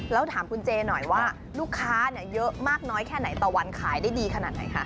แล้วถามคุณเจหน่อยว่าลูกค้าเยอะมากน้อยแค่ไหนต่อวันขายได้ดีขนาดไหนคะ